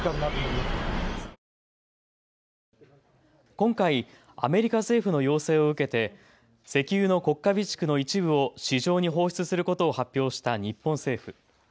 今回、アメリカ政府の要請を受けて石油の国家備蓄の一部を市場に放出することを発表した日本政府。